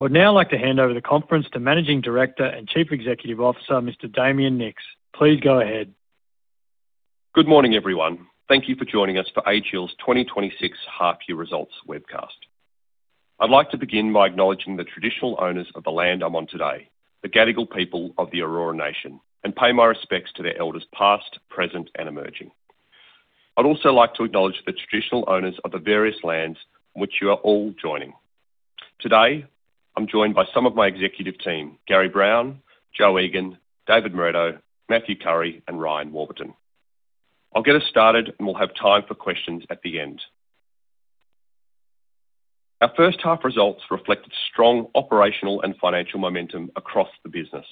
Would now like to hand over the conference to Managing Director and Chief Executive Officer Mr. Damien Nicks. Please go ahead. Good morning, everyone. Thank you for joining us for AGL's 2026 half-year results webcast. I'd like to begin by acknowledging the traditional owners of the land I'm on today, the Gadigal people of the Eora Nation, and pay my respects to their elders past, present, and emerging. I'd also like to acknowledge the traditional owners of the various lands which you are all joining. Today, I'm joined by some of my executive team, Gary Brown, Jo Egan, David Moretto, Matthew Currie, and Ryan Warburton. I'll get us started, and we'll have time for questions at the end. Our first half results reflected strong operational and financial momentum across the business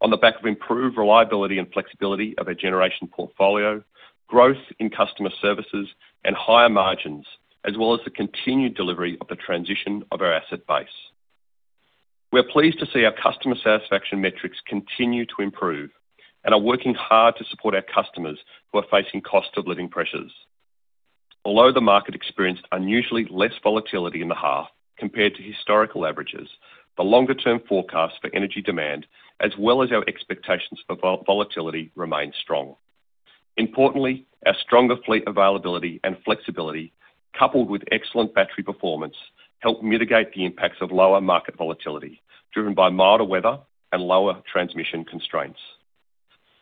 on the back of improved reliability and flexibility of our generation portfolio, growth in customer services, and higher margins, as well as the continued delivery of the transition of our asset base. We're pleased to see our customer satisfaction metrics continue to improve and are working hard to support our customers who are facing cost-of-living pressures. Although the market experienced unusually less volatility in the half compared to historical averages, the longer-term forecasts for energy demand, as well as our expectations for volatility, remain strong. Importantly, our stronger fleet availability and flexibility, coupled with excellent battery performance, helped mitigate the impacts of lower market volatility driven by milder weather and lower transmission constraints.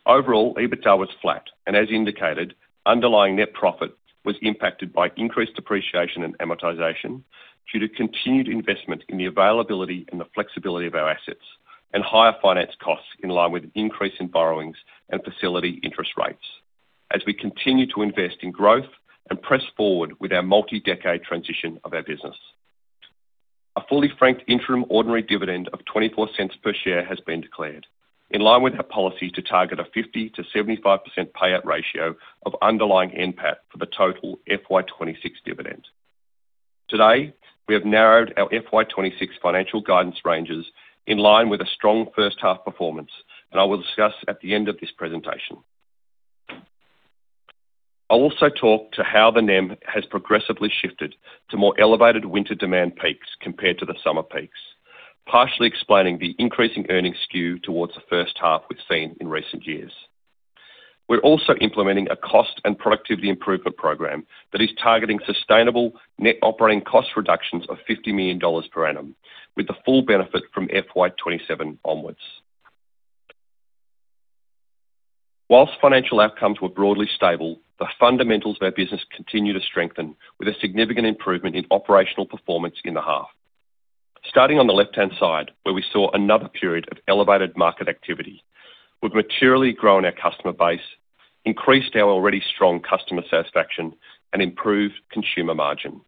Overall, EBITDA was flat, and as indicated, underlying net profit was impacted by increased depreciation and amortization due to continued investment in the availability and the flexibility of our assets, and higher finance costs in line with increase in borrowings and facility interest rates as we continue to invest in growth and press forward with our multi-decade transition of our business. A fully franked interim ordinary dividend of 0.24 per share has been declared in line with our policy to target a 50%-75% payout ratio of underlying NPAT for the total FY 2026 dividend. Today, we have narrowed our FY 2026 financial guidance ranges in line with a strong first-half performance, and I will discuss at the end of this presentation. I'll also talk to how the NEM has progressively shifted to more elevated winter demand peaks compared to the summer peaks, partially explaining the increasing earnings skew towards the first half we've seen in recent years. We're also implementing a cost and productivity improvement program that is targeting sustainable net operating cost reductions of 50 million dollars per annum with the full benefit from FY 2027 onwards. While financial outcomes were broadly stable, the fundamentals of our business continue to strengthen with a significant improvement in operational performance in the half. Starting on the left-hand side, where we saw another period of elevated market activity, we've materially grown our customer base, increased our already strong customer satisfaction, and improved consumer margin.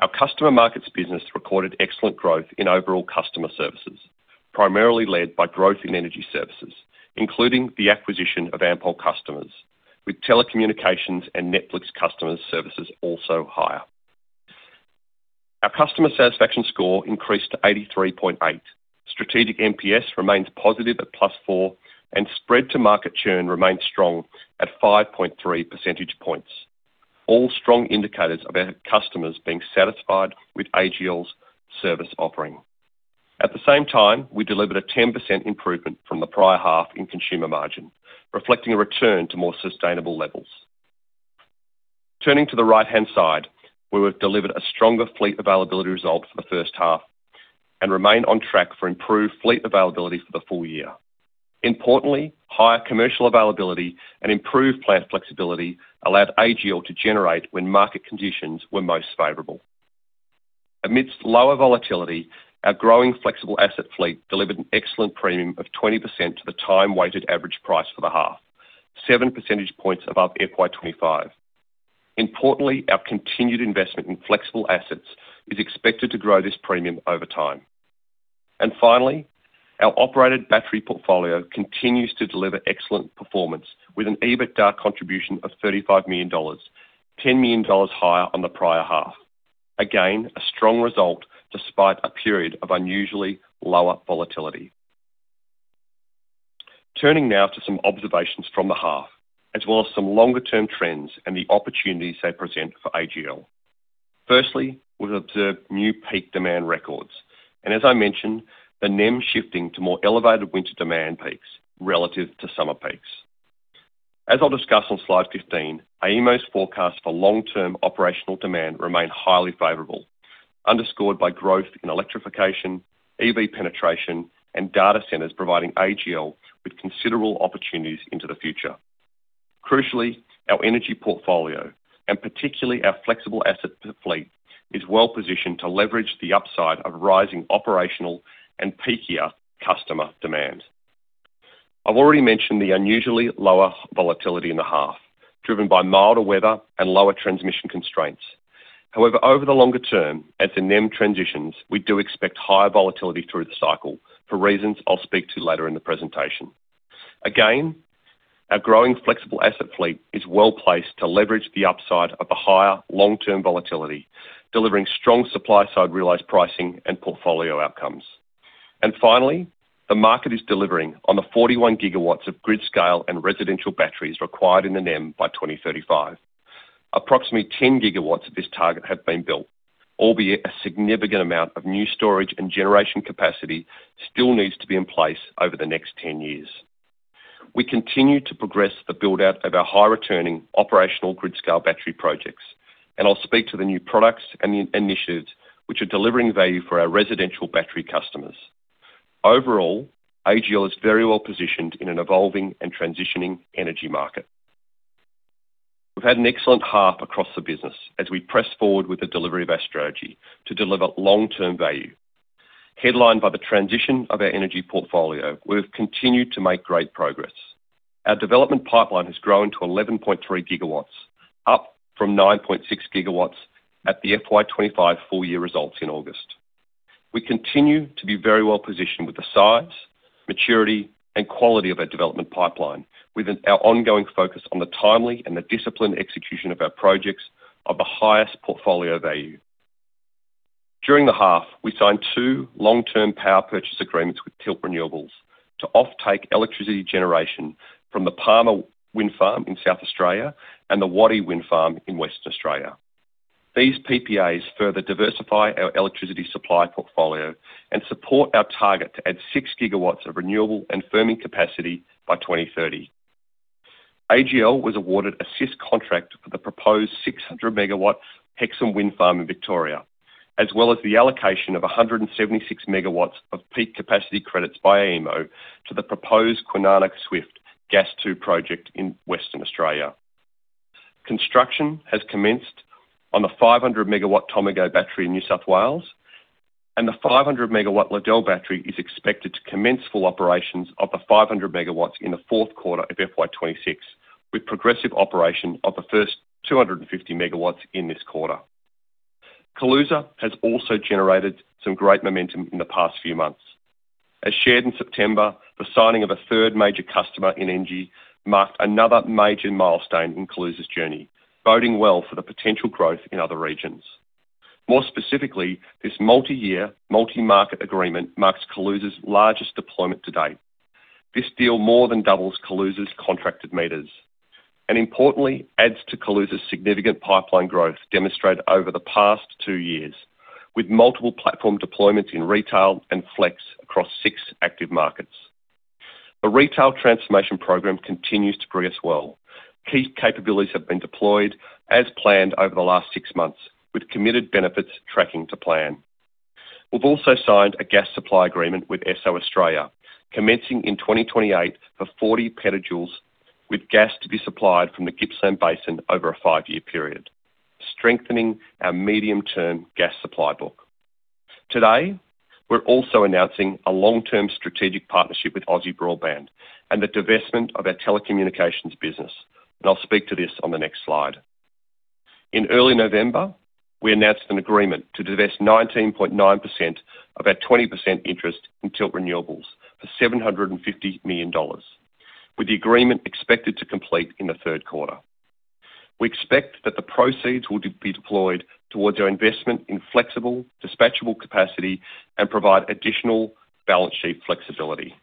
Our customer markets business recorded excellent growth in overall customer services, primarily led by growth in energy services, including the acquisition of Ampol customers, with telecommunications and Netflix customers' services also higher. Our customer satisfaction score increased to 83.8. Strategic NPS remains positive at +4, and spread-to-market churn remains strong at 5.3 percentage points, all strong indicators of our customers being satisfied with AGL's service offering. At the same time, we delivered a 10% improvement from the prior half in consumer margin, reflecting a return to more sustainable levels. Turning to the right-hand side, we have delivered a stronger fleet availability result for the first half and remain on track for improved fleet availability for the full-year. Importantly, higher commercial availability and improved plant flexibility allowed AGL to generate when market conditions were most favorable. Amidst lower volatility, our growing flexible asset fleet delivered an excellent premium of 20% to the time-weighted average price for the half, 7 percentage points above FY 2025. Importantly, our continued investment in flexible assets is expected to grow this premium over time. Finally, our operated battery portfolio continues to deliver excellent performance with an EBITDA contribution of 35 million dollars, 10 million dollars higher on the prior half. Again, a strong result despite a period of unusually lower volatility. Turning now to some observations from the half, as well as some longer-term trends and the opportunities they present for AGL. Firstly, we've observed new peak demand records and, as I mentioned, the NEM shifting to more elevated winter demand peaks relative to summer peaks. As I'll discuss on slide 15, AEMO's forecasts for long-term operational demand remain highly favorable, underscored by growth in electrification, EV penetration, and data centres providing AGL with considerable opportunities into the future. Crucially, our energy portfolio, and particularly our flexible asset fleet, is well-positioned to leverage the upside of rising operational and peakier customer demand. I've already mentioned the unusually lower volatility in the half driven by milder weather and lower transmission constraints. However, over the longer term, as the NEM transitions, we do expect higher volatility through the cycle for reasons I'll speak to later in the presentation. Again, our growing flexible asset fleet is well-placed to leverage the upside of the higher long-term volatility, delivering strong supply-side realized pricing and portfolio outcomes. And finally, the market is delivering on the 41 GW of grid-scale and residential batteries required in the NEM by 2035. Approximately 10 GW of this target have been built, albeit a significant amount of new storage and generation capacity still needs to be in place over the next 10 years. We continue to progress the build-out of our high-returning operational grid-scale battery projects, and I'll speak to the new products and initiatives which are delivering value for our residential battery customers. Overall, AGL is very well-positioned in an evolving and transitioning energy market. We've had an excellent half across the business as we press forward with the delivery of our strategy to deliver long-term value. Headlined by the transition of our energy portfolio, we've continued to make great progress. Our development pipeline has grown to 11.3 GW, up from 9.6 GW at the FY 2025 full-year results in August. We continue to be very well-positioned with the size, maturity, and quality of our development pipeline, with our ongoing focus on the timely and the disciplined execution of our projects of the highest portfolio value. During the half, we signed two long-term power purchase agreements with Tilt Renewables to offtake electricity generation from the Palmer Wind Farm in South Australia and the Waddi Wind Farm in Western Australia. These PPAs further diversify our electricity supply portfolio and support our target to add 6 GW of renewable and firming capacity by 2030. AGL was awarded a CIS contract for the proposed 600 MW Hexham Wind Farm in Victoria, as well as the allocation of 176 MW of peak capacity credits by AEMO to the proposed Kwinana Gas 2 project in Western Australia. Construction has commenced on the 500 MW Tomago battery in New South Wales, and the 500 MW Liddell battery is expected to commence full operations of the 500 MW in the fourth quarter of FY 2026, with progressive operation of the first 250 MW in this quarter. Kaluza has also generated some great momentum in the past few months. As shared in September, the signing of a third major customer in ENGIE marked another major milestone in Kaluza's journey, boding well for the potential growth in other regions. More specifically, this multi-year, multi-market agreement marks Kaluza's largest deployment to date. This deal more than doubles Kaluza's contracted meters and, importantly, adds to Kaluza's significant pipeline growth demonstrated over the past two years, with multiple platform deployments in retail and flex across six active markets. The retail transformation program continues to progressing well. Key capabilities have been deployed as planned over the last six months, with committed benefits tracking to plan. We've also signed a gas supply agreement with Esso Australia, commencing in 2028 for 40 petajoules with gas to be supplied from the Gippsland Basin over a five-year period, strengthening our medium-term gas supply book. Today, we're also announcing a long-term strategic partnership with Aussie Broadband and the divestment of our telecommunications business, and I'll speak to this on the next slide. In early November, we announced an agreement to divest 19.9% of our 20% interest in Tilt Renewables for 750 million dollars, with the agreement expected to complete in the third quarter. We expect that the proceeds will be deployed towards our investment in flexible, dispatchable capacity and provide additional balance sheet flexibility.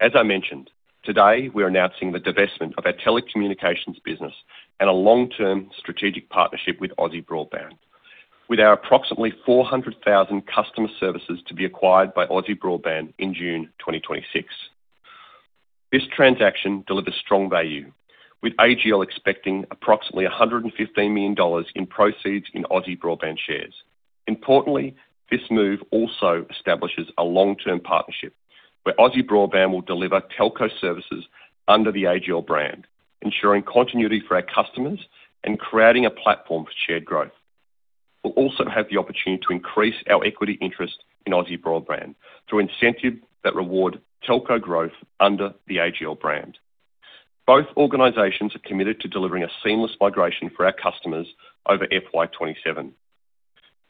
As I mentioned, today we're announcing the divestment of our telecommunications business and a long-term strategic partnership with Aussie Broadband, with our approximately 400,000 customer services to be acquired by Aussie Broadband in June 2026. This transaction delivers strong value, with AGL expecting approximately 115 million dollars in proceeds in Aussie Broadband shares. Importantly, this move also establishes a long-term partnership where Aussie Broadband will deliver telco services under the AGL brand, ensuring continuity for our customers and creating a platform for shared growth. We'll also have the opportunity to increase our equity interest in Aussie Broadband through incentives that reward telco growth under the AGL brand. Both organisations are committed to delivering a seamless migration for our customers over FY 2027.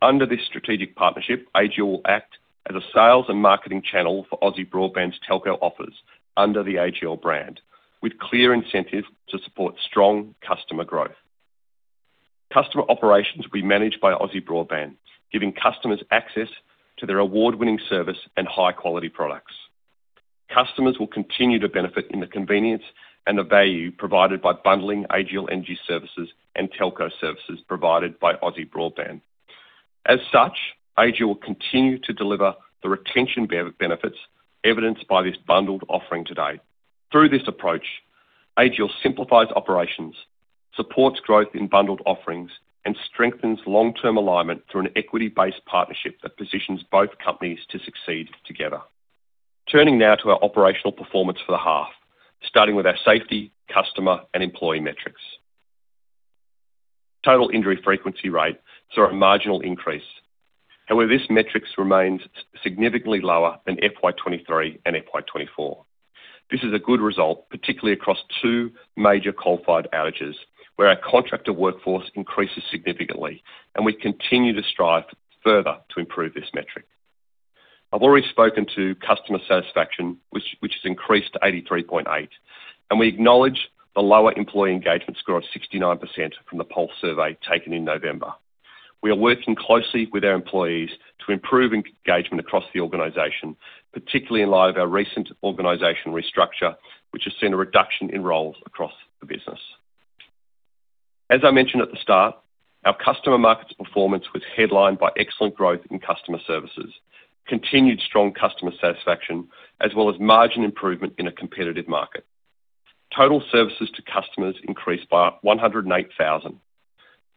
Under this strategic partnership, AGL will act as a sales and marketing channel for Aussie Broadband's telco offers under the AGL brand, with clear incentives to support strong customer growth. Customer operations will be managed by Aussie Broadband, giving customers access to their award-winning service and high-quality products. Customers will continue to benefit in the convenience and the value provided by bundling AGL energy services and telco services provided by Aussie Broadband. As such, AGL will continue to deliver the retention benefits evidenced by this bundled offering today. Through this approach, AGL simplifies operations, supports growth in bundled offerings, and strengthens long-term alignment through an equity-based partnership that positions both companies to succeed together. Turning now to our operational performance for the half, starting with our safety, customer, and employee metrics. Total injury frequency rates are a marginal increase. However, this metric remains significantly lower than FY 2023 and FY 2024. This is a good result, particularly across two major qualified outages where our contractor workforce increases significantly, and we continue to strive further to improve this metric. I've already spoken to customer satisfaction, which has increased to 83.8, and we acknowledge the lower employee engagement score of 69% from the Pulse survey taken in November. We are working closely with our employees to improve engagement across the organization, particularly in light of our recent organization restructure, which has seen a reduction in roles across the business. As I mentioned at the start, our customer markets performance was headlined by excellent growth in customer services, continued strong customer satisfaction, as well as margin improvement in a competitive market. Total services to customers increased by 108,000.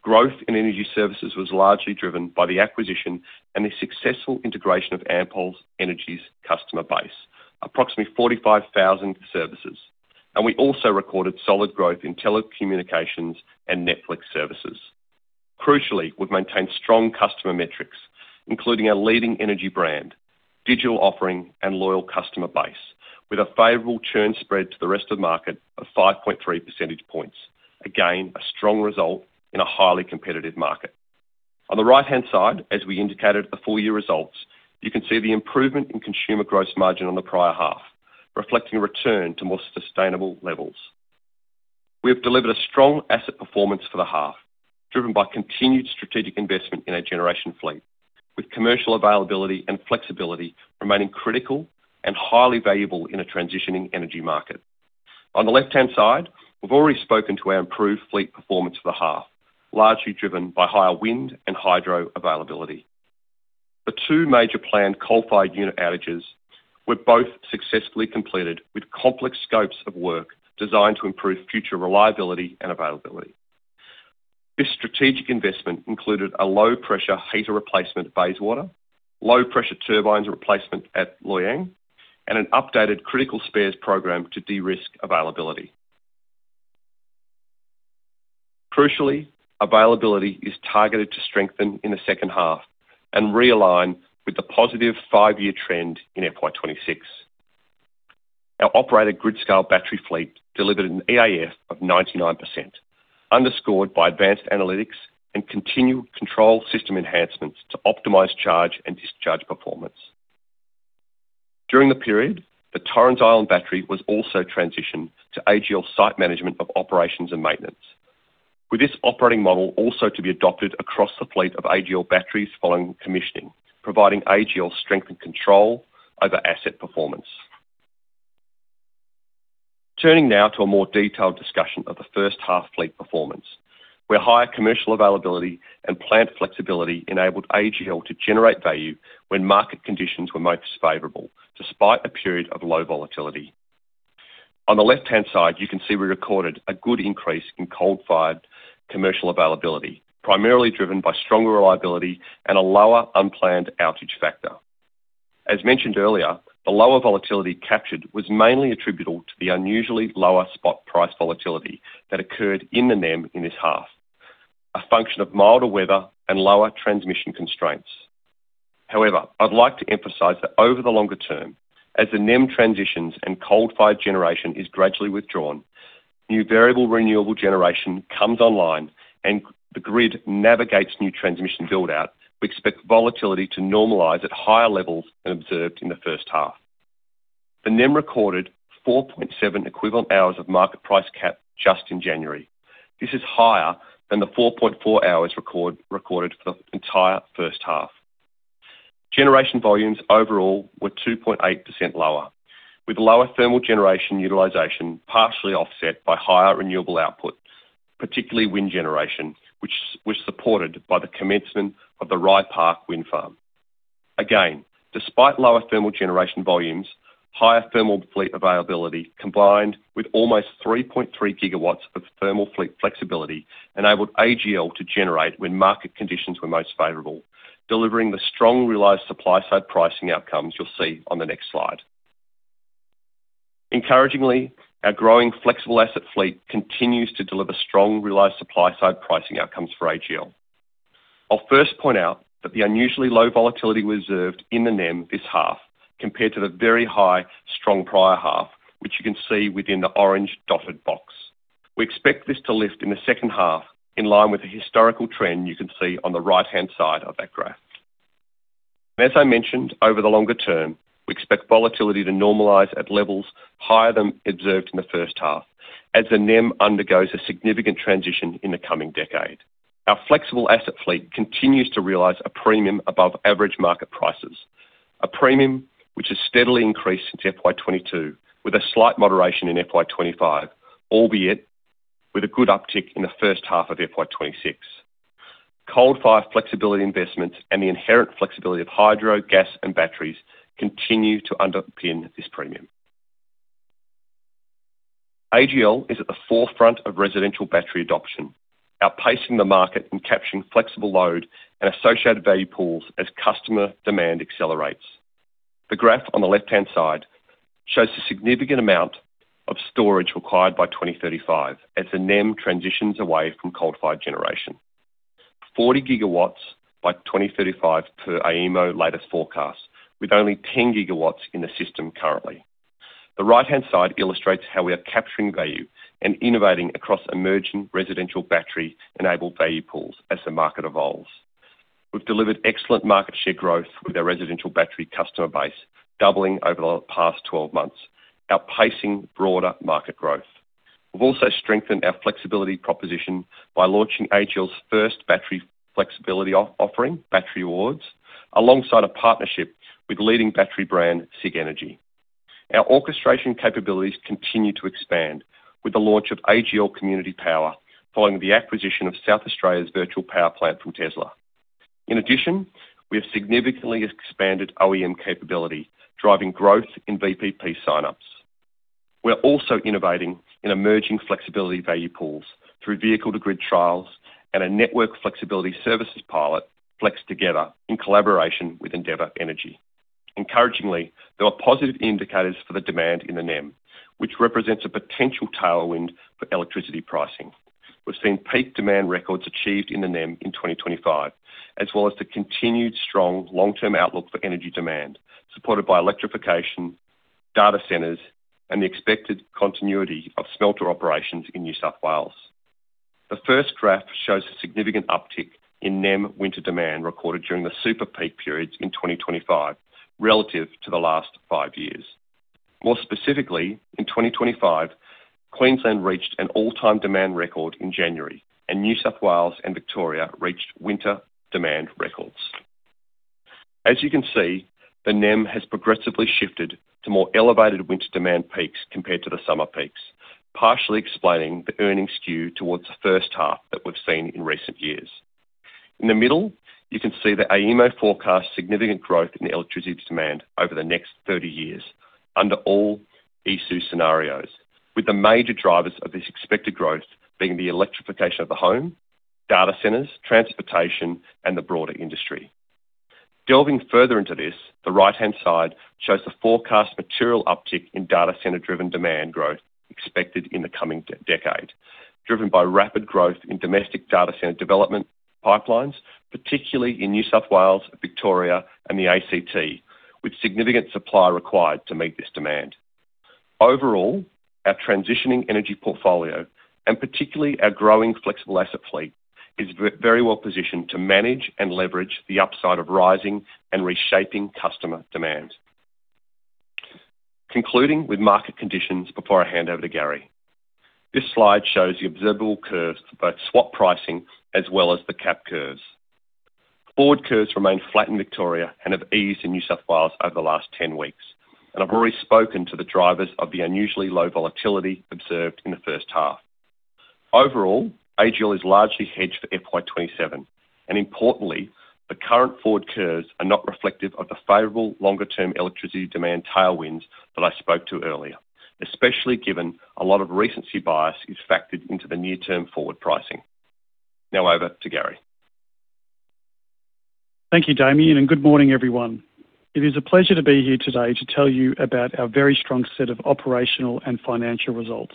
Growth in energy services was largely driven by the acquisition and the successful integration of Ampol's energy customer base, approximately 45,000 services, and we also recorded solid growth in telecommunications and Netflix services. Crucially, we've maintained strong customer metrics, including our leading energy brand, digital offering, and loyal customer base, with a favorable churn spread to the rest of the market of 5.3 percentage points. Again, a strong result in a highly competitive market. On the right-hand side, as we indicated at the full-year results, you can see the improvement in consumer growth margin on the prior half, reflecting a return to more sustainable levels. We have delivered a strong asset performance for the half, driven by continued strategic investment in our generation fleet, with commercial availability and flexibility remaining critical and highly valuable in a transitioning energy market. On the left-hand side, we've already spoken to our improved fleet performance for the half, largely driven by higher wind and hydro availability. The two major planned qualified unit outages were both successfully completed, with complex scopes of work designed to improve future reliability and availability. This strategic investment included a low-pressure heater replacement at Bayswater, low-pressure turbines replacement at Loy Yang, and an updated critical spares program to de-risk availability. Crucially, availability is targeted to strengthen in the second half and realign with the positive five-year trend in FY 2026. Our operated grid-scale battery fleet delivered an EAF of 99%, underscored by advanced analytics and continued control system enhancements to optimize charge and discharge performance. During the period, the Torrens Island battery was also transitioned to AGL site management of operations and maintenance, with this operating model also to be adopted across the fleet of AGL batteries following commissioning, providing AGL strength and control over asset performance. Turning now to a more detailed discussion of the first half fleet performance, where higher commercial availability and plant flexibility enabled AGL to generate value when market conditions were most favorable, despite a period of low volatility. On the left-hand side, you can see we recorded a good increase in qualified commercial availability, primarily driven by stronger reliability and a lower unplanned outage factor. As mentioned earlier, the lower volatility captured was mainly attributable to the unusually lower spot price volatility that occurred in the NEM in this half, a function of milder weather and lower transmission constraints. However, I'd like to emphasize that over the longer term, as the NEM transitions and qualified generation is gradually withdrawn, new variable renewable generation comes online and the grid navigates new transmission build-out. We expect volatility to normalize at higher levels than observed in the first half. The NEM recorded 4.7 equivalent hours of market price cap just in January. This is higher than the 4.4 hours recorded for the entire first half. Generation volumes overall were 2.8% lower, with lower thermal generation utilization partially offset by higher renewable output, particularly wind generation, which was supported by the commencement of the Rye Park Wind Farm. Again, despite lower thermal generation volumes, higher thermal fleet availability combined with almost 3.3 GW of thermal fleet flexibility enabled AGL to generate when market conditions were most favorable, delivering the strong realized supply-side pricing outcomes you'll see on the next slide. Encouragingly, our growing flexible asset fleet continues to deliver strong realized supply-side pricing outcomes for AGL. I'll first point out that the unusually low volatility we observed in the NEM this half compared to the very high, strong prior half, which you can see within the orange dotted box. We expect this to lift in the second half in line with the historical trend you can see on the right-hand side of that graph. As I mentioned, over the longer term, we expect volatility to normalize at levels higher than observed in the first half as the NEM undergoes a significant transition in the coming decade. Our flexible asset fleet continues to realize a premium above average market prices, a premium which has steadily increased since FY 2022 with a slight moderation in FY 2025, albeit with a good uptick in the first half of FY 2026. Qualified flexibility investments and the inherent flexibility of hydro, gas, and batteries continue to underpin this premium. AGL is at the forefront of residential battery adoption, outpacing the market in capturing flexible load and associated value pools as customer demand accelerates. The graph on the left-hand side shows the significant amount of storage required by 2035 as the NEM transitions away from qualified generation: 40 GW by 2035 per AEMO latest forecast, with only 10 GW in the system currently. The right-hand side illustrates how we are capturing value and innovating across emerging residential battery-enabled value pools as the market evolves. We've delivered excellent market share growth with our residential battery customer base doubling over the past 12 months, outpacing broader market growth. We've also strengthened our flexibility proposition by launching AGL's first battery flexibility offering, Battery Rewards, alongside a partnership with leading battery brand Sigenergy. Our orchestration capabilities continue to expand with the launch of AGL Community Power following the acquisition of South Australia's virtual power plant from Tesla. In addition, we have significantly expanded OEM capability, driving growth in VPP signups. We're also innovating in emerging flexibility value pools through vehicle-to-grid trials and a network flexibility services pilot, FlexTogether, in collaboration with Endeavour Energy. Encouragingly, there are positive indicators for the demand in the NEM, which represents a potential tailwind for electricity pricing. We've seen peak demand records achieved in the NEM in 2025, as well as the continued strong long-term outlook for energy demand, supported by electrification, data centers, and the expected continuity of smelter operations in New South Wales. The first graph shows a significant uptick in NEM winter demand recorded during the super peak periods in 2025 relative to the last five years. More specifically, in 2025, Queensland reached an all-time demand record in January, and New South Wales and Victoria reached winter demand records. As you can see, the NEM has progressively shifted to more elevated winter demand peaks compared to the summer peaks, partially explaining the earnings skew towards the first half that we've seen in recent years. In the middle, you can see the AEMO forecast significant growth in electricity demand over the next 30 years under all ESOO scenarios, with the major drivers of this expected growth being the electrification of the home, data centres, transportation, and the broader industry. Delving further into this, the right-hand side shows the forecast material uptick in data centre-driven demand growth expected in the coming decade, driven by rapid growth in domestic data centre development pipelines, particularly in New South Wales, Victoria, and the ACT, with significant supply required to meet this demand. Overall, our transitioning energy portfolio, and particularly our growing flexible asset fleet, is very well positioned to manage and leverage the upside of rising and reshaping customer demand. Concluding with market conditions before I hand over to Gary, this slide shows the observable curves for both swap pricing as well as the cap curves. Forward curves remain flat in Victoria and have eased in New South Wales over the last 10 weeks, and I've already spoken to the drivers of the unusually low volatility observed in the first half. Overall, AGL is largely hedged for FY 2027, and importantly, the current forward curves are not reflective of the favorable longer-term electricity demand tailwinds that I spoke to earlier, especially given a lot of recency bias is factored into the near-term forward pricing. Now over to Gary. Thank you, Damien, and good morning, everyone. It is a pleasure to be here today to tell you about our very strong set of operational and financial results,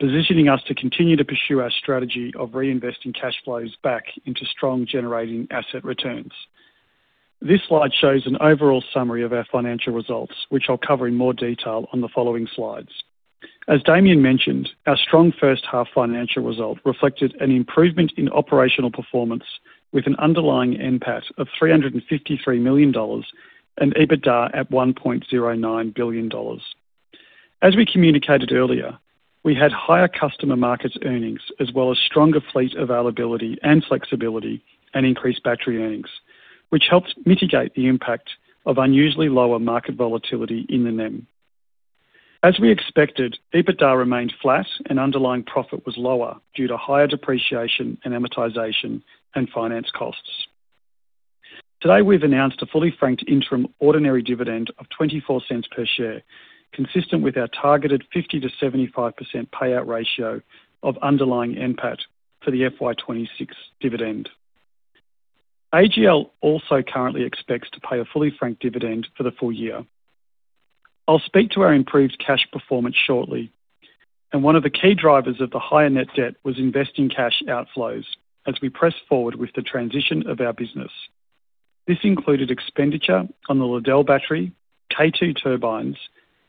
positioning us to continue to pursue our strategy of reinvesting cash flows back into strong generating asset returns. This slide shows an overall summary of our financial results, which I'll cover in more detail on the following slides. As Damien mentioned, our strong first-half financial result reflected an improvement in operational performance with an underlying NPAT of 353 million dollars and EBITDA at 1.09 billion dollars. As we communicated earlier, we had higher customer market earnings as well as stronger fleet availability and flexibility and increased battery earnings, which helped mitigate the impact of unusually lower market volatility in the NEM. As we expected, EBITDA remained flat and underlying profit was lower due to higher depreciation and amortization and finance costs. Today, we've announced a fully franked interim ordinary dividend of 0.24 per share, consistent with our targeted 50%-75% payout ratio of underlying NPAT for the FY 2026 dividend. AGL also currently expects to pay a fully franked dividend for the full-year. I'll speak to our improved cash performance shortly, and one of the key drivers of the higher net debt was investing cash outflows as we press forward with the transition of our business. This included expenditure on the Liddell battery, Kwinana turbines,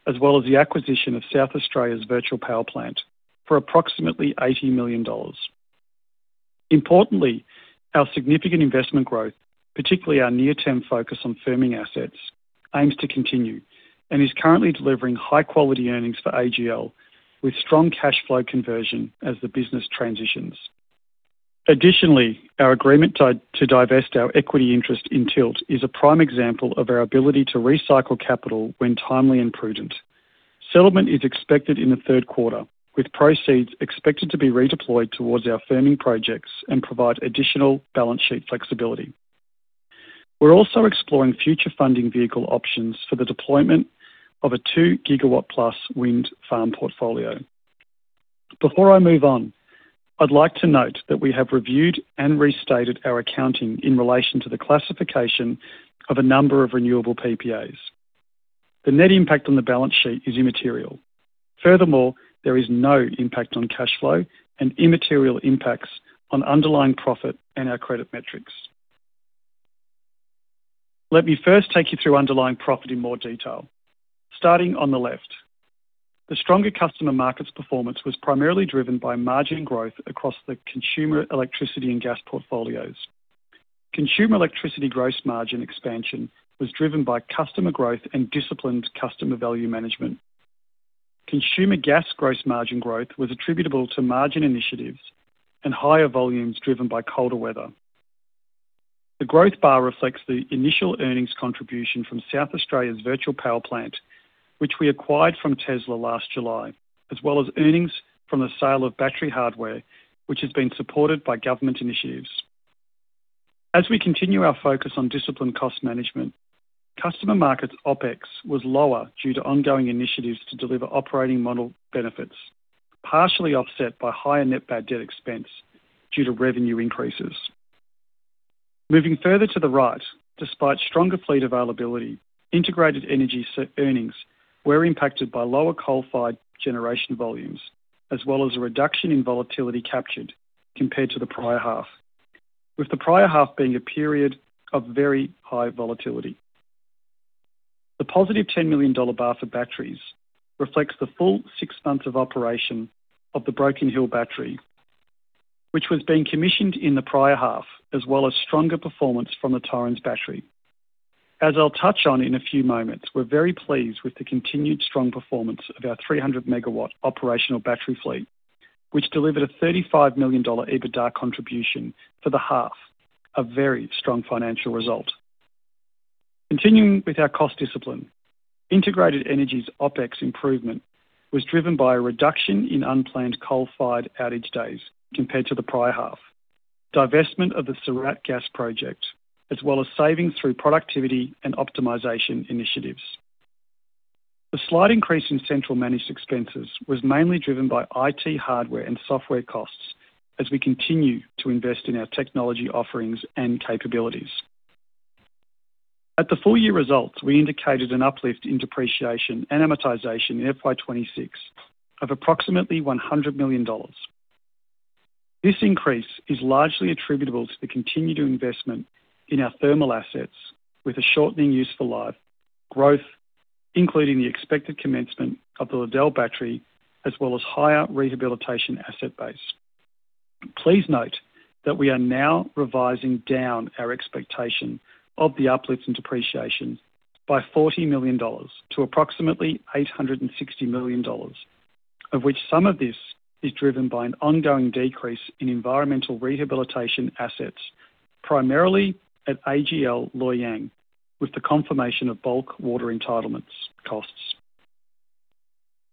as well as the acquisition of South Australia's virtual power plant for approximately 80 million dollars. Importantly, our significant investment growth, particularly our near-term focus on firming assets, aims to continue and is currently delivering high-quality earnings for AGL with strong cash flow conversion as the business transitions. Additionally, our agreement to divest our equity interest in Tilt is a prime example of our ability to recycle capital when timely and prudent. Settlement is expected in the third quarter, with proceeds expected to be redeployed towards our firming projects and provide additional balance sheet flexibility. We're also exploring future funding vehicle options for the deployment of a 2 GW+ wind farm portfolio. Before I move on, I'd like to note that we have reviewed and restated our accounting in relation to the classification of a number of renewable PPAs. The net impact on the balance sheet is immaterial. Furthermore, there is no impact on cash flow and immaterial impacts on underlying profit and our credit metrics. Let me first take you through underlying profit in more detail, starting on the left. The stronger customer markets performance was primarily driven by margin growth across the consumer electricity and gas portfolios. Consumer electricity gross margin expansion was driven by customer growth and disciplined customer value management. Consumer gas gross margin growth was attributable to margin initiatives and higher volumes driven by colder weather. The growth bar reflects the initial earnings contribution from South Australia's virtual power plant, which we acquired from Tesla last July, as well as earnings from the sale of battery hardware, which has been supported by government initiatives. As we continue our focus on disciplined cost management, customer markets OpEx was lower due to ongoing initiatives to deliver operating model benefits, partially offset by higher net bad debt expense due to revenue increases. Moving further to the right, despite stronger fleet availability, integrated energy earnings were impacted by lower qualified generation volumes as well as a reduction in volatility captured compared to the prior half, with the prior half being a period of very high volatility. The positive 10 million dollar bar for batteries reflects the full six months of operation of the Broken Hill battery, which was being commissioned in the prior half as well as stronger performance from the Torrens battery. As I'll touch on in a few moments, we're very pleased with the continued strong performance of our 300 MW operational battery fleet, which delivered a 35 million dollar EBITDA contribution for the half, a very strong financial result. Continuing with our cost discipline, integrated energy's OpEx improvement was driven by a reduction in unplanned qualified outage days compared to the prior half, divestment of the Surat gas project, as well as savings through productivity and optimization initiatives. The slight increase in central managed expenses was mainly driven by IT hardware and software costs as we continue to invest in our technology offerings and capabilities. At the full-year results, we indicated an uplift in depreciation and amortization in FY 2026 of approximately 100 million dollars. This increase is largely attributable to the continued investment in our thermal assets with a shortening useful life, growth, including the expected commencement of the Liddell battery, as well as higher rehabilitation asset base. Please note that we are now revising down our expectation of the uplifts in depreciation by 40 million dollars to approximately 860 million dollars, of which some of this is driven by an ongoing decrease in environmental rehabilitation assets, primarily at AGL Loy Yang, with the confirmation of bulk water entitlements costs.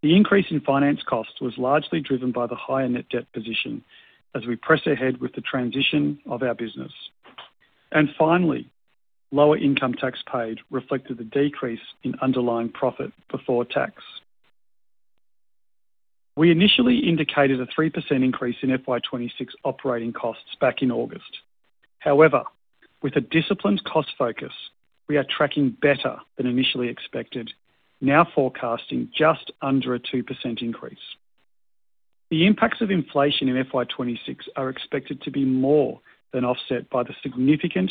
The increase in finance costs was largely driven by the higher net debt position as we press ahead with the transition of our business. And finally, lower income tax paid reflected the decrease in underlying profit before tax. We initially indicated a 3% increase in FY 2026 operating costs back in August. However, with a disciplined cost focus, we are tracking better than initially expected, now forecasting just under a 2% increase. The impacts of inflation in FY 2026 are expected to be more than offset by the significant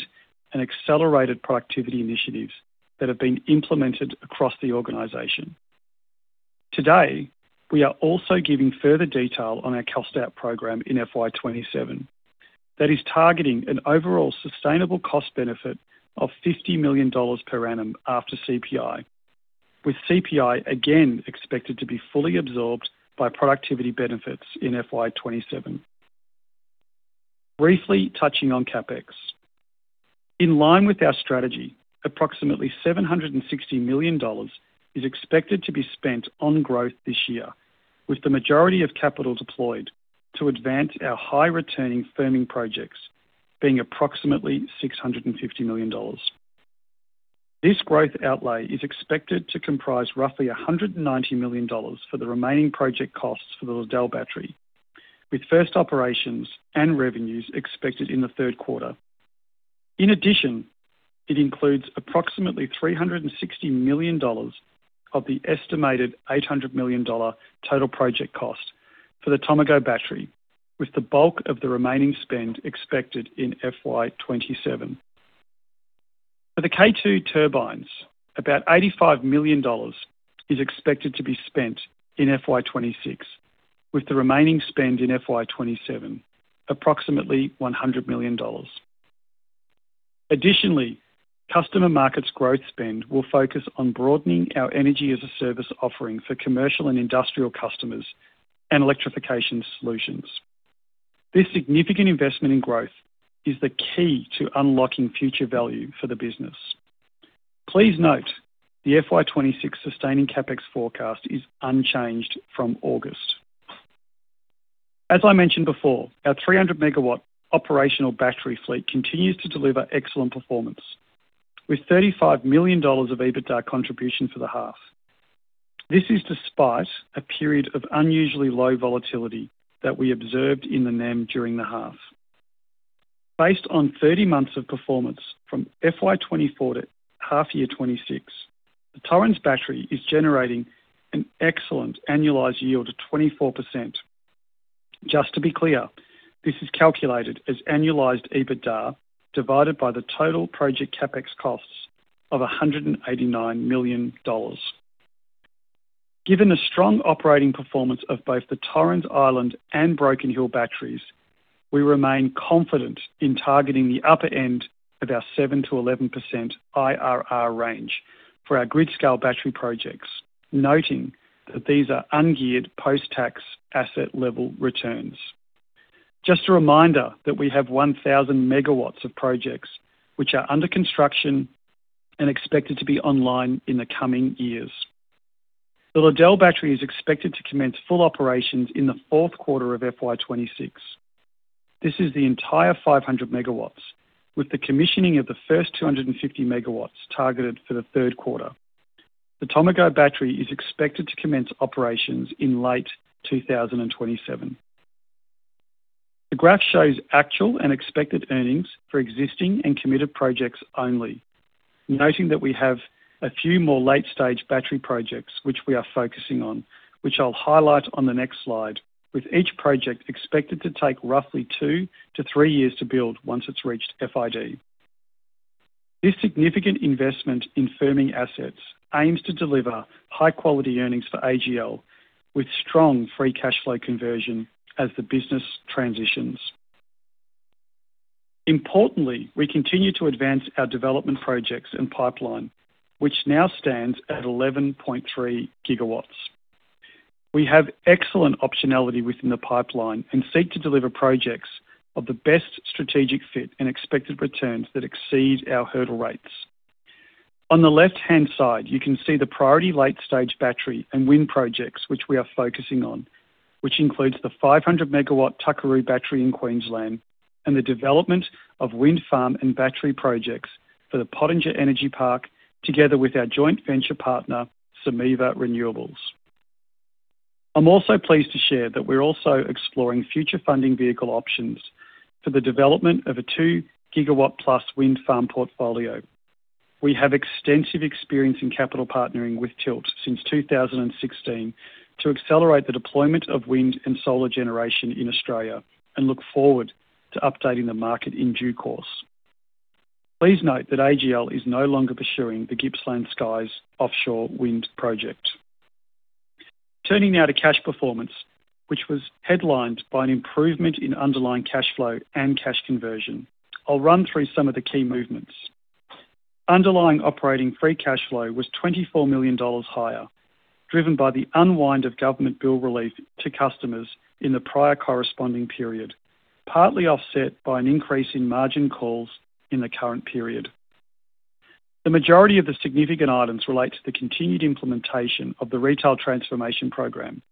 and accelerated productivity initiatives that have been implemented across the organization. Today, we are also giving further detail on our cost out program in FY 2027. That is targeting an overall sustainable cost benefit of 50 million dollars per annum after CPI, with CPI again expected to be fully absorbed by productivity benefits in FY 2027. Briefly touching on CapEx. In line with our strategy, approximately 760 million dollars is expected to be spent on growth this year, with the majority of capital deployed to advance our high-returning firming projects being approximately 650 million dollars. This growth outlay is expected to comprise roughly 190 million dollars for the remaining project costs for the Liddell battery, with first operations and revenues expected in the third quarter. In addition, it includes approximately 360 million dollars of the estimated 800 million dollar total project cost for the Tomago battery, with the bulk of the remaining spend expected in FY 2027. For the Kwinana turbines, about 85 million dollars is expected to be spent in FY 2026, with the remaining spend in FY 2027 approximately AUD 100 million. Additionally, customer markets growth spend will focus on broadening our energy as a service offering for commercial and industrial customers and electrification solutions. This significant investment in growth is the key to unlocking future value for the business. Please note the FY 2026 sustaining CapEx forecast is unchanged from August. As I mentioned before, our 300 MW operational battery fleet continues to deliver excellent performance, with 35 million dollars of EBITDA contribution for the half. This is despite a period of unusually low volatility that we observed in the NEM during the half. Based on 30 months of performance from FY 2024 to half year 2026, the Torrens battery is generating an excellent annualized yield of 24%. Just to be clear, this is calculated as annualized EBITDA divided by the total project CapEx costs of 189 million dollars. Given the strong operating performance of both the Torrens Island and Broken Hill batteries, we remain confident in targeting the upper end of our 7%-11% IRR range for our grid-scale battery projects, noting that these are ungeared post-tax asset level returns. Just a reminder that we have 1,000 MW of projects which are under construction and expected to be online in the coming years. The Liddell battery is expected to commence full operations in the fourth quarter of FY 2026. This is the entire 500 MW, with the commissioning of the first 250 MW targeted for the third quarter. The Tomago battery is expected to commence operations in late 2027. The graph shows actual and expected earnings for existing and committed projects only, noting that we have a few more late-stage battery projects which we are focusing on, which I'll highlight on the next slide, with each project expected to take roughly two to three years to build once it's reached FID. This significant investment in firming assets aims to deliver high-quality earnings for AGL, with strong free cash flow conversion as the business transitions. Importantly, we continue to advance our development projects and pipeline, which now stands at 11.3 GW. We have excellent optionality within the pipeline and seek to deliver projects of the best strategic fit and expected returns that exceed our hurdle rates. On the left-hand side, you can see the priority late-stage battery and wind projects which we are focusing on, which includes the 500 MW Tuckeroo battery in Queensland and the development of wind farm and battery projects for the Pottinger Energy Park together with our joint venture partner, Someva Renewables. I'm also pleased to share that we're also exploring future funding vehicle options for the development of a 2 GW+ wind farm portfolio. We have extensive experience in capital partnering with Tilt since 2016 to accelerate the deployment of wind and solar generation in Australia and look forward to updating the market in due course. Please note that AGL is no longer pursuing the Gippsland Skies offshore wind project. Turning now to cash performance, which was headlined by an improvement in underlying cash flow and cash conversion, I'll run through some of the key movements. Underlying operating free cash flow was 24 million dollars higher, driven by the unwind of government bill relief to customers in the prior corresponding period, partly offset by an increase in margin calls in the current period. The majority of the significant items relate to the continued implementation of the retail transformation program,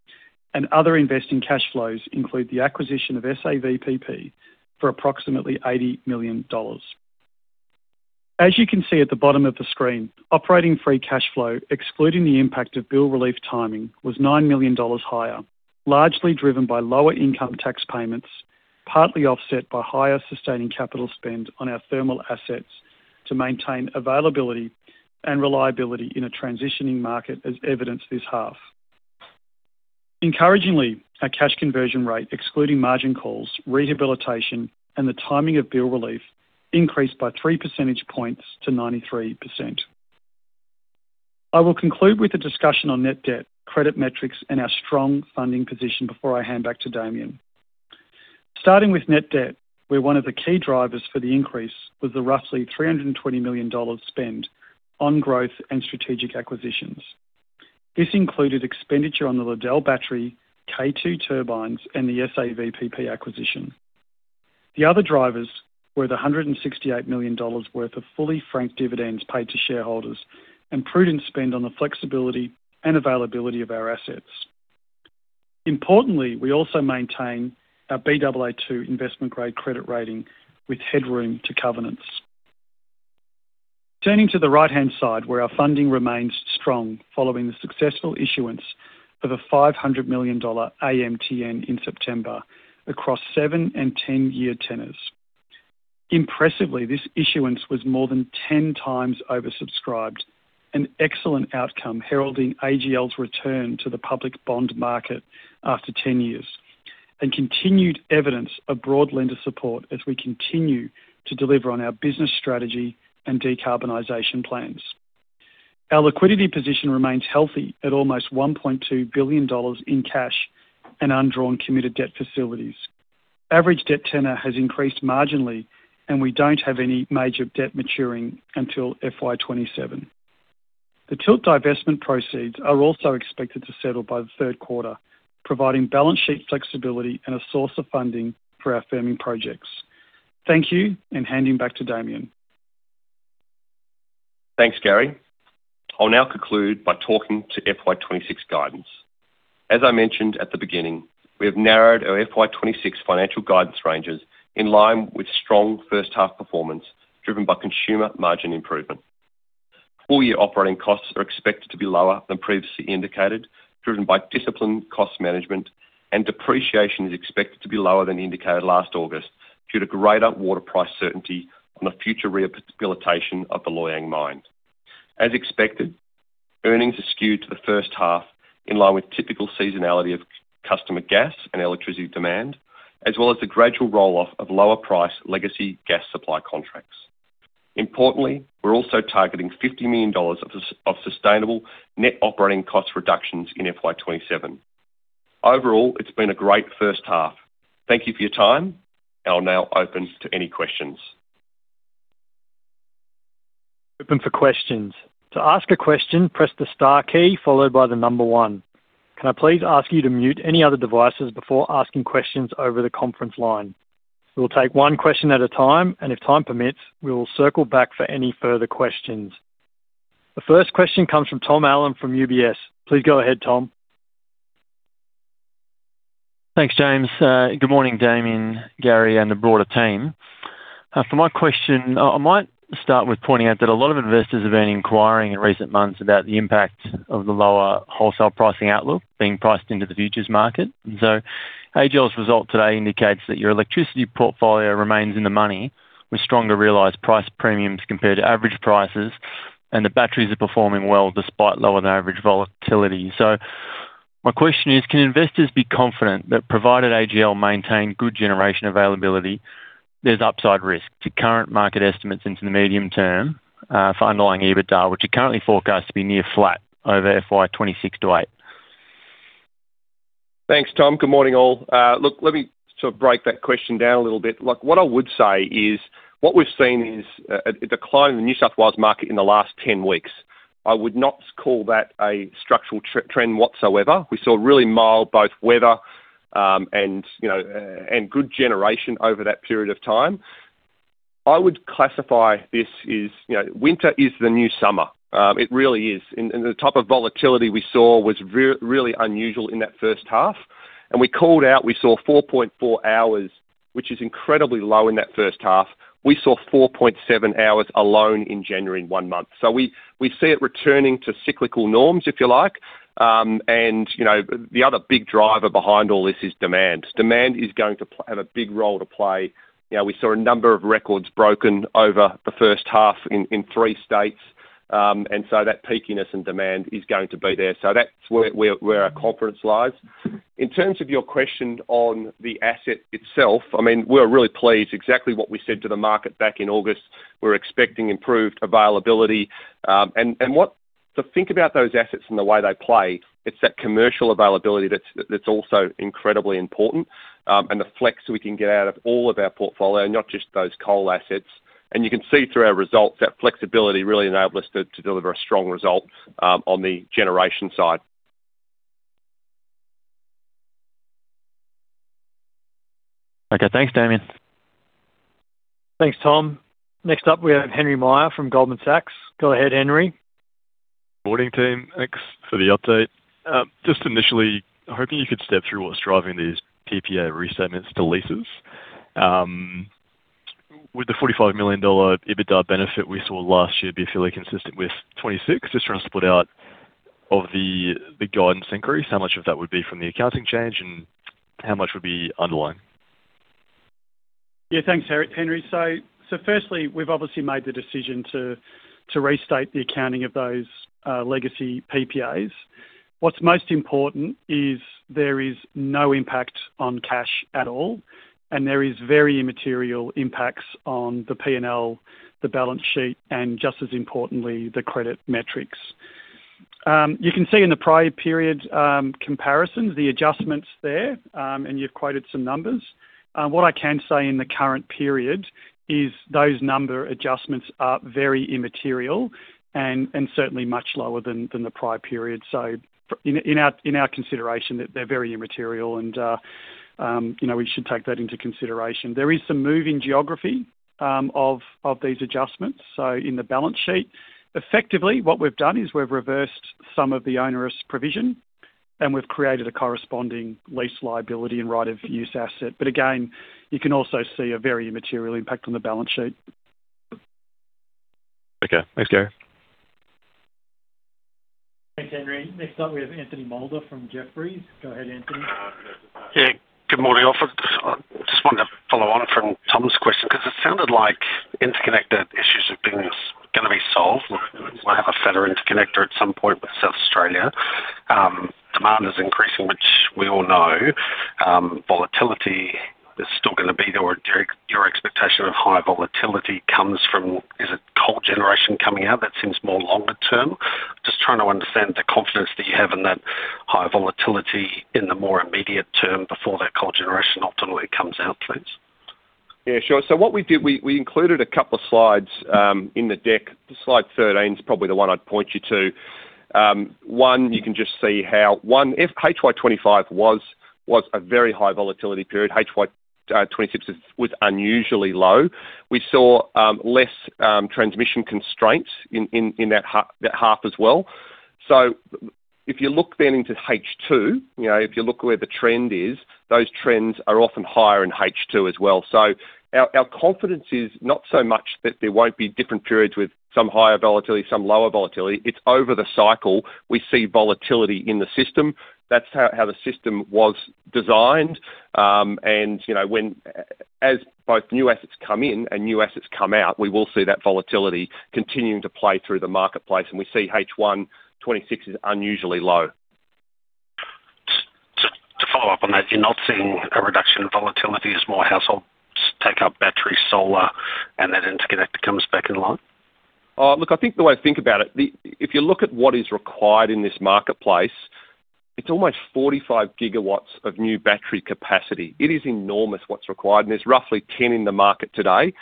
and other investing cash flows include the acquisition of SAVPP for approximately 80 million dollars. As you can see at the bottom of the screen, operating free cash flow, excluding the impact of bill relief timing, was 9 million dollars higher, largely driven by lower income tax payments, partly offset by higher sustaining capital spend on our thermal assets to maintain availability and reliability in a transitioning market, as evidenced this half. Encouragingly, our cash conversion rate, excluding margin calls, rehabilitation, and the timing of bill relief, increased by three percentage points to 93%. I will conclude with a discussion on net debt, credit metrics, and our strong funding position before I hand back to Damien. Starting with net debt, where one of the key drivers for the increase was the roughly 320 million dollars spend on growth and strategic acquisitions. This included expenditure on the Liddell battery, Kwinana turbines, and the SAVPP acquisition. The other drivers were the 168 million dollars worth of fully franked dividends paid to shareholders and prudent spend on the flexibility and availability of our assets. Importantly, we also maintain our Baa2 investment-grade credit rating with headroom to covenants. Turning to the right-hand side, where our funding remains strong following the successful issuance of a 500 million dollar AMTN in September across seven and 10-year tenors. Impressively, this issuance was more than 10 times oversubscribed, an excellent outcome heralding AGL's return to the public bond market after 10 years and continued evidence of broad lender support as we continue to deliver on our business strategy and decarbonization plans. Our liquidity position remains healthy at almost 1.2 billion dollars in cash and undrawn committed debt facilities. Average debt tenor has increased marginally, and we don't have any major debt maturing until FY 2027. The Tilt divestment proceeds are also expected to settle by the third quarter, providing balance sheet flexibility and a source of funding for our firming projects. Thank you, and handing back to Damien. Thanks, Gary. I'll now conclude by talking to FY 2026 guidance. As I mentioned at the beginning, we have narrowed our FY 2026 financial guidance ranges in line with strong first-half performance driven by consumer margin improvement. full-year operating costs are expected to be lower than previously indicated, driven by disciplined cost management, and depreciation is expected to be lower than indicated last August due to greater water price certainty on the future rehabilitation of the Loy Yang mine. As expected, earnings are skewed to the first half in line with typical seasonality of customer gas and electricity demand, as well as the gradual roll-off of lower-price legacy gas supply contracts. Importantly, we're also targeting 50 million dollars of sustainable net operating costs reductions in FY 2027. Overall, it's been a great first half. Thank you for your time, and I'll now open to any questions. Open for questions. To ask a question, press the star key followed by the number one. Can I please ask you to mute any other devices before asking questions over the conference line? We'll take one question at a time, and if time permits, we will circle back for any further questions. The first question comes from Tom Allen from UBS. Please go ahead, Tom. Thanks, James. Good morning, Damien, Gary, and the broader team. For my question, I might start with pointing out that a lot of investors have been inquiring in recent months about the impact of the lower wholesale pricing outlook being priced into the futures market. And so AGL's result today indicates that your electricity portfolio remains in the money with stronger realised price premiums compared to average prices, and the batteries are performing well despite lower-than-average volatility. So my question is, can investors be confident that provided AGL maintain good generation availability, there's upside risk to current market estimates into the medium term for underlying EBITDA, which are currently forecast to be near flat over FY 2026 to FY 2028? Thanks, Tom. Good morning, all. Look, let me sort of break that question down a little bit. Look, what I would say is what we've seen is a decline in the New South Wales market in the last 10 weeks. I would not call that a structural trend whatsoever. We saw really mild both weather and good generation over that period of time. I would classify this as winter is the new summer. It really is. And the type of volatility we saw was really unusual in that first half. And we called out we saw 4.4 hours, which is incredibly low in that first half. We saw 4.7 hours alone in January in one month. So we see it returning to cyclical norms, if you like. And the other big driver behind all this is demand. Demand is going to have a big role to play. We saw a number of records broken over the first half in three states, and so that peakiness in demand is going to be there. So that's where our confidence lies. In terms of your question on the asset itself, I mean, we're really pleased. Exactly what we said to the market back in August, we're expecting improved availability. And to think about those assets and the way they play, it's that commercial availability that's also incredibly important and the flex we can get out of all of our portfolio, not just those coal assets. And you can see through our results, that flexibility really enabled us to deliver a strong result on the generation side. Okay. Thanks, Damien. Thanks, Tom. Next up, we have Henry Meyer from Goldman Sachs. Go ahead, Henry. Good morning, team. Thanks for the update. Just initially, hoping you could step through what's driving these PPA restatements to leases. Would the 45 million dollar EBITDA benefit we saw last year be fairly consistent with 2026? Just trying to split out of the guidance increase, how much of that would be from the accounting change and how much would be underlying. Yeah. Thanks, Henry. So firstly, we've obviously made the decision to restate the accounting of those legacy PPAs. What's most important is there is no impact on cash at all, and there is very immaterial impacts on the P&L, the balance sheet, and just as importantly, the credit metrics. You can see in the prior period comparisons, the adjustments there, and you've quoted some numbers. What I can say in the current period is those number adjustments are very immaterial and certainly much lower than the prior period. So in our consideration, they're very immaterial, and we should take that into consideration. There is some moving geography of these adjustments. So in the balance sheet, effectively, what we've done is we've reversed some of the onerous provision, and we've created a corresponding lease liability and right of use asset. But again, you can also see a very immaterial impact on the balance sheet. Okay. Thanks, Gary. Thanks, Henry. Next up, we have Anthony Moulder from Jefferies. Go ahead, Anthony. Yeah. Good morning, Damien. I just wanted to follow on from Tom's question because it sounded like interconnector issues are going to be solved. We'll have a better interconnector at some point with South Australia. Demand is increasing, which we all know. Volatility is still going to be there. Your expectation of high volatility comes from, is it coal generation coming out? That seems more longer term. Just trying to understand the confidence that you have in that high volatility in the more immediate term before that coal generation ultimately comes out, please. Yeah. Sure. So what we did, we included a couple of slides in the deck. Slide 13 is probably the one I'd point you to. One, you can just see how HY 2025 was a very high volatility period. HY 2026 was unusually low. We saw less transmission constraints in that half as well. So if you look then into H2, if you look where the trend is, those trends are often higher in H2 as well. So our confidence is not so much that there won't be different periods with some higher volatility, some lower volatility. It's over the cycle. We see volatility in the system. That's how the system was designed. And as both new assets come in and new assets come out, we will see that volatility continuing to play through the marketplace. And we see HY 2026 is unusually low. To follow-up on that, you're not seeing a reduction in volatility as more households take up battery, solar, and that interconnector comes back in line? Look, I think the way to think about it, if you look at what is required in this marketplace, it's almost 45 GW of new battery capacity. It is enormous what's required, and there's roughly 10 in the market today.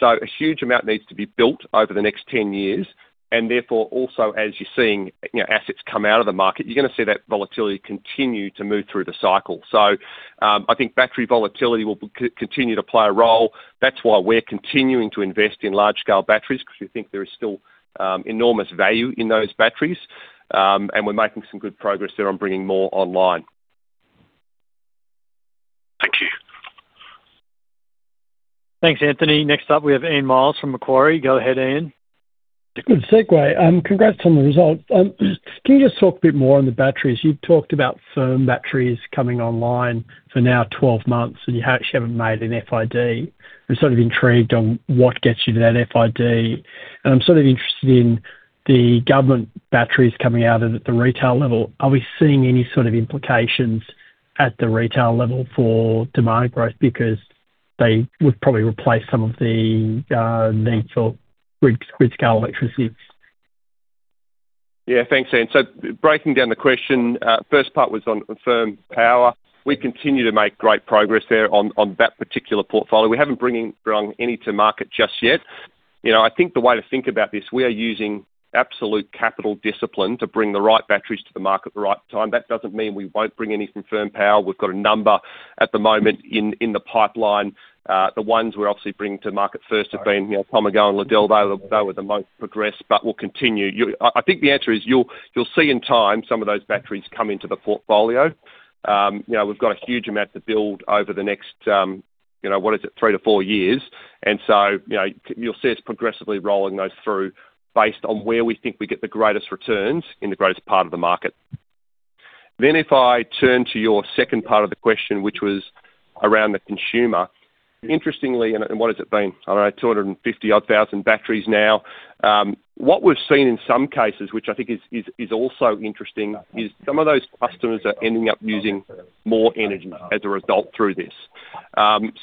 So a huge amount needs to be built over the next 10 years. And therefore, also, as you're seeing assets come out of the market, you're going to see that volatility continue to move through the cycle. So I think battery volatility will continue to play a role. That's why we're continuing to invest in large-scale batteries because we think there is still enormous value in those batteries, and we're making some good progress there on bringing more online. Thank you. Thanks, Anthony. Next up, we have Ian Myles from Macquarie. Go ahead, Ian. Good segue. Congrats on the result. Can you just talk a bit more on the batteries? You've talked about firm batteries coming online for now 12 months, and you actually haven't made an FID. I'm sort of intrigued on what gets you to that FID. And I'm sort of interested in the government batteries coming out at the retail level. Are we seeing any sort of implications at the retail level for demand growth because they would probably replace some of the need for grid-scale electricity? Yeah. Thanks, Ian. So breaking down the question, first part was on firm power. We continue to make great progress there on that particular portfolio. We haven't brought any to market just yet. I think the way to think about this, we are using absolute capital discipline to bring the right batteries to the market at the right time. That doesn't mean we won't bring any from firm power. We've got a number at the moment in the pipeline. The ones we're obviously bringing to market first have been Tomago and Liddell. They were the most progressed, but we'll continue. I think the answer is you'll see in time some of those batteries come into the portfolio. We've got a huge amount to build over the next, what is it, three to four years. And so you'll see us progressively rolling those through based on where we think we get the greatest returns in the greatest part of the market. Then if I turn to your second part of the question, which was around the consumer, interestingly and what has it been? I don't know, 250,000-odd batteries now. What we've seen in some cases, which I think is also interesting, is some of those customers are ending up using more energy as a result through this.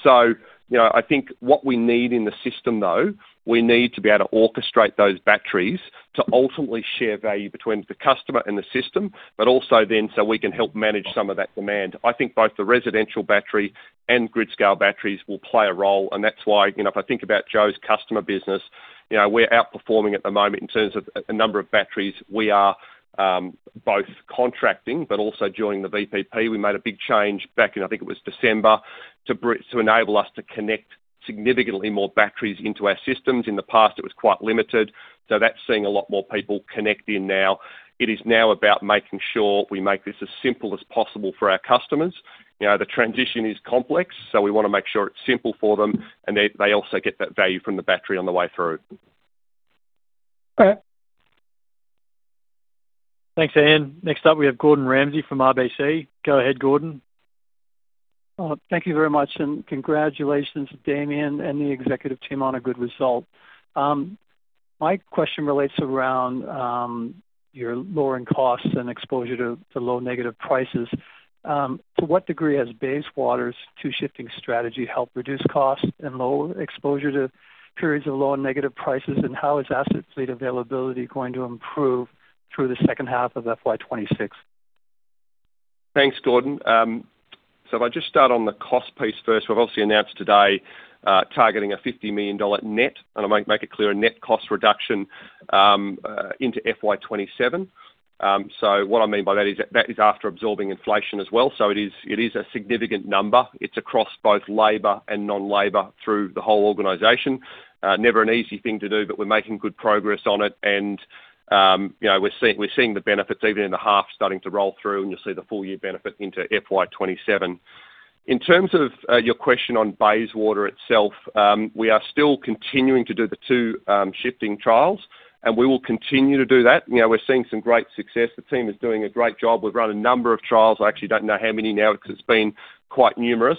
So I think what we need in the system, though, we need to be able to orchestrate those batteries to ultimately share value between the customer and the system, but also then so we can help manage some of that demand. I think both the residential battery and grid-scale batteries will play a role. And that's why if I think about Jo's customer business, we're outperforming at the moment in terms of a number of batteries. We are both contracting but also joining the VPP. We made a big change back in, I think it was December, to enable us to connect significantly more batteries into our systems. In the past, it was quite limited. So that's seeing a lot more people connect in now. It is now about making sure we make this as simple as possible for our customers. The transition is complex, so we want to make sure it's simple for them, and they also get that value from the battery on the way through. Okay. Thanks, Ian. Next up, we have Gordon Ramsay from RBC. Go ahead, Gordon. Thank you very much, and congratulations, Damien and the executive team, on a good result. My question relates around your lowering costs and exposure to low negative prices. To what degree has Bayswater's two-shifting strategy helped reduce costs and lower exposure to periods of low and negative prices, and how is asset fleet availability going to improve through the second half of FY 2026? Thanks, Gordon. So if I just start on the cost piece first, we've obviously announced today targeting a 50 million dollar net, and I might make it clear, a net cost reduction into FY 2027. So what I mean by that is that is after absorbing inflation as well. So it is a significant number. It's across both labor and non-labor through the whole organization. Never an easy thing to do, but we're making good progress on it, and we're seeing the benefits even in the half starting to roll through, and you'll see the full-year benefit into FY 2027. In terms of your question on Bayswater itself, we are still continuing to do the two-shifting trials, and we will continue to do that. We're seeing some great success. The team is doing a great job. We've run a number of trials. I actually don't know how many now because it's been quite numerous.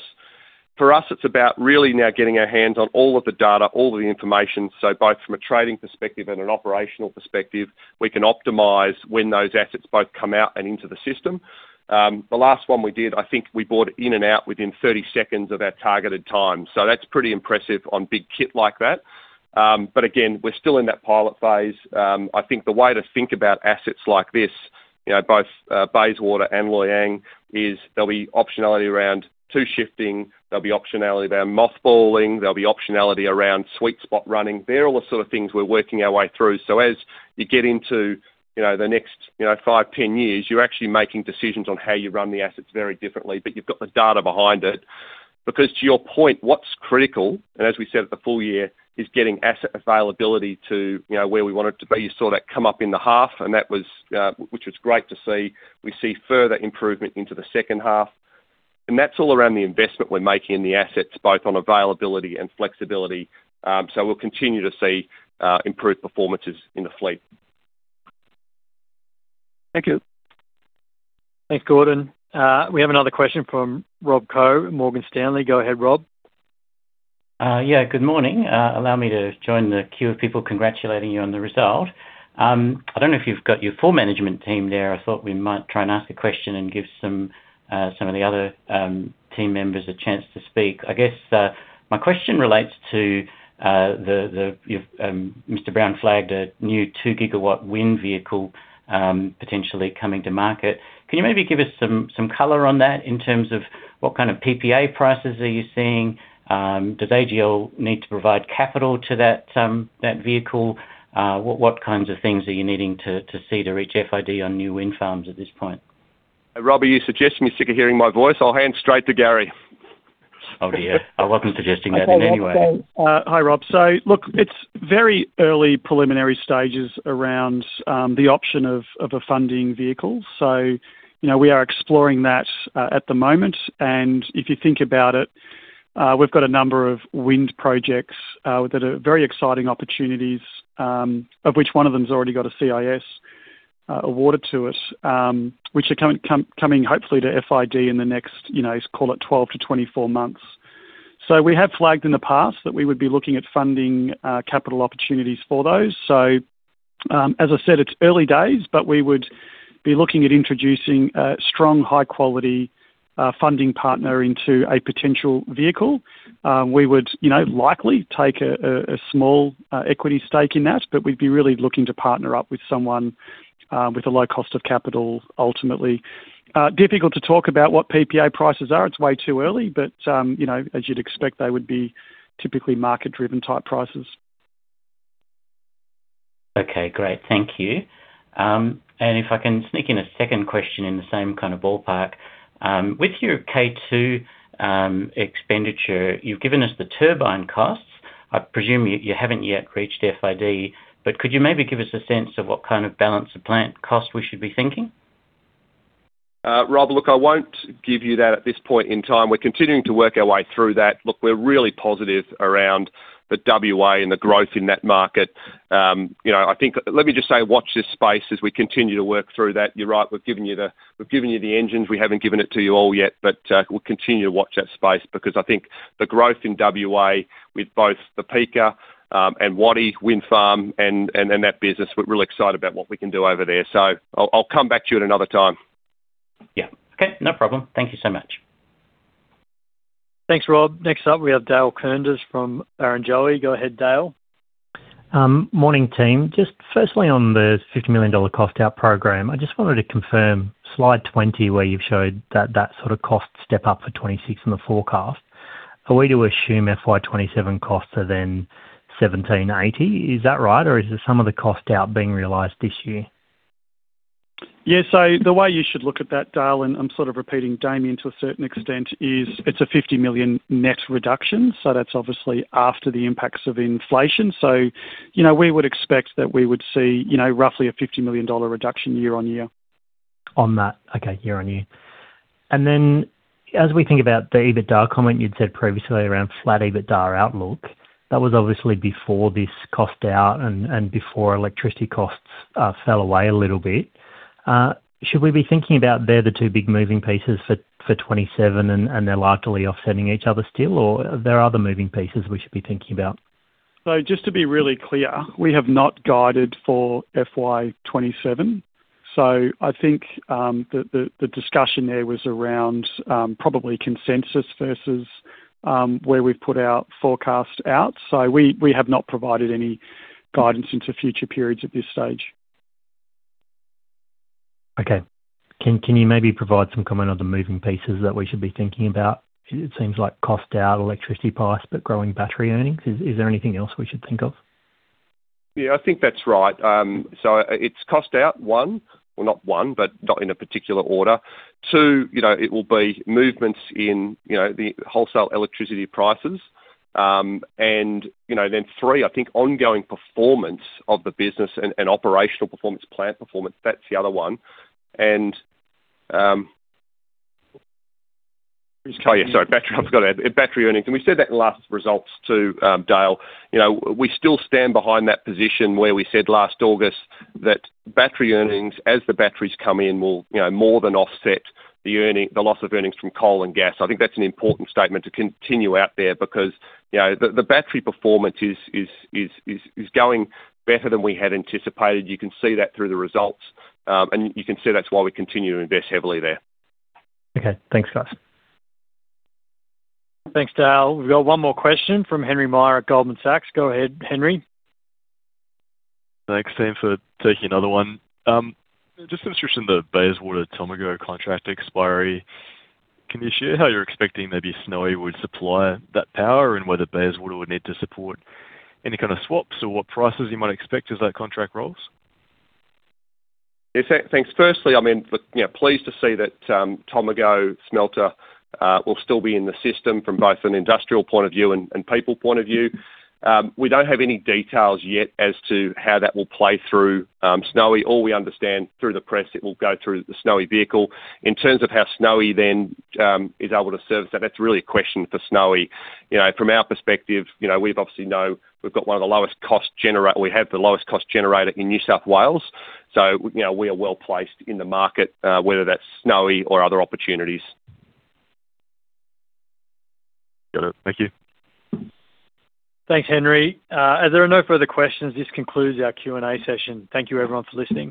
For us, it's about really now getting our hands on all of the data, all of the information. So both from a trading perspective and an operational perspective, we can optimize when those assets both come out and into the system. The last one we did, I think we bought in and out within 30 seconds of our targeted time. So that's pretty impressive on big kit like that. But again, we're still in that pilot phase. I think the way to think about assets like this, both Bayswater and Loy Yang, is there'll be optionality around two-shifting. There'll be optionality around mothballing. There'll be optionality around sweet spot running. They're all the sort of things we're working our way through. So as you get into the next five, 10 years, you're actually making decisions on how you run the assets very differently, but you've got the data behind it. Because to your point, what's critical, and as we said at the full-year, is getting asset availability to where we want it to be. You saw that come up in the half, which was great to see. We see further improvement into the second half. And that's all around the investment we're making in the assets, both on availability and flexibility. So we'll continue to see improved performances in the fleet. Thank you. Thanks, Gordon. We have another question from Rob Koh at Morgan Stanley. Go ahead, Rob. Yeah. Good morning. Allow me to join the queue of people congratulating you on the result. I don't know if you've got your full management team there. I thought we might try and ask a question and give some of the other team members a chance to speak. I guess my question relates to what Mr. Brown flagged a new 2 GW wind vehicle potentially coming to market. Can you maybe give us some color on that in terms of what kind of PPA prices are you seeing? Does AGL need to provide capital to that vehicle? What kinds of things are you needing to see to reach FID on new wind farms at this point? Robbie, you suggested me stick to hearing my voice. I'll hand straight to Gary. Oh, dear. I wasn't suggesting that in any way. Hi, Rob. So look, it's very early preliminary stages around the option of a funding vehicle. So we are exploring that at the moment. And if you think about it, we've got a number of wind projects that are very exciting opportunities, of which one of them's already got a CIS awarded to it, which are coming, hopefully, to FID in the next, call it, 12-24 months. So we have flagged in the past that we would be looking at funding capital opportunities for those. So as I said, it's early days, but we would be looking at introducing a strong, high-quality funding partner into a potential vehicle. We would likely take a small equity stake in that, but we'd be really looking to partner up with someone with a low cost of capital, ultimately. Difficult to talk about what PPA prices are. It's way too early, but as you'd expect, they would be typically market-driven type prices. Okay. Great. Thank you. If I can sneak in a second question in the same kind of ballpark, with your Kwinana expenditure, you've given us the turbine costs. I presume you haven't yet reached FID, but could you maybe give us a sense of what kind of balance of plant cost we should be thinking? Rob, look, I won't give you that at this point in time. We're continuing to work our way through that. Look, we're really positive around the WA and the growth in that market. I think let me just say watch this space as we continue to work through that. You're right. We've given you the engines. We haven't given it to you all yet, but we'll continue to watch that space because I think the growth in WA with both the peaker and Waddi Wind Farm and that business, we're really excited about what we can do over there. So I'll come back to you at another time. Yeah. Okay. No problem. Thank you so much. Thanks, Rob. Next up, we have Dale Koenders from Barrenjoey. Go ahead, Dale. Morning, team. Just firstly, on the 50 million dollar cost-out program, I just wanted to confirm slide 20 where you've showed that sort of cost step up for 2026 in the forecast. Are we to assume FY 2027 costs are then 1,780? Is that right, or is it some of the cost out being realized this year? Yeah. So the way you should look at that, Dale, and I'm sort of repeating Damien to a certain extent, is it's a 50 million net reduction. So that's obviously after the impacts of inflation. So we would expect that we would see roughly a 50 million dollar reduction year-on-year. On that. Okay. year-on-year. And then as we think about the EBITDA comment you'd said previously around flat EBITDA outlook, that was obviously before this cost out and before electricity costs fell away a little bit. Should we be thinking about they're the two big moving pieces for 2027, and they're largely offsetting each other still, or are there other moving pieces we should be thinking about? So just to be really clear, we have not guided for FY 2027. So I think the discussion there was around probably consensus versus where we've put our forecast out. So we have not provided any guidance into future periods at this stage. Okay. Can you maybe provide some comment on the moving pieces that we should be thinking about? It seems like cost out, electricity price, but growing battery earnings. Is there anything else we should think of? Yeah. I think that's right. So it's cost out, one. Well, not one, but not in a particular order. Two, it will be movements in the wholesale electricity prices. And then three, I think ongoing performance of the business and operational performance, plant performance. That's the other one. And oh, yeah. Sorry. I've got to add battery earnings. And we said that in last results too, Dale. We still stand behind that position where we said last August that battery earnings, as the batteries come in, will more than offset the loss of earnings from coal and gas. I think that's an important statement to continue out there because the battery performance is going better than we had anticipated. You can see that through the results, and you can see that's why we continue to invest heavily there. Okay. Thanks, guys. Thanks, Dale. We've got one more question from Henry Meyer at Goldman Sachs. Go ahead, Henry. Thanks, Ian, for taking another one. Just in addition to Bayswater's Tomago contract expiry, can you share how you're expecting maybe Snowy would supply that power and whether Bayswater would need to support any kind of swaps or what prices you might expect as that contract rolls? Yeah. Thanks. Firstly, I mean, pleased to see that Tomago smelter will still be in the system from both an industrial point of view and people point of view. We don't have any details yet as to how that will play through Snowy. All we understand through the press, it will go through the Snowy vehicle. In terms of how Snowy then is able to service that, that's really a question for Snowy. From our perspective, we obviously know we've got one of the lowest cost we have the lowest cost generator in New South Wales. So we are well placed in the market, whether that's Snowy or other opportunities. Got it. Thank you. Thanks, Henry. As there are no further questions, this concludes our Q&A session. Thank you, everyone, for listening.